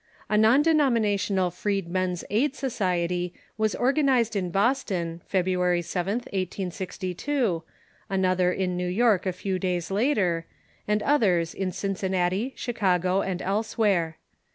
A non denominational Freedmen's Aid Society was organized in Boston, February Vth, 1802, another in New York a few days later, and others in Cincinnati, Chicago, and elsewhere.